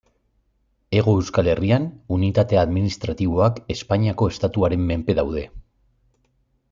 Hego Euskal Herrian, unitate administratiboak Espainiako estatuaren menpe daude.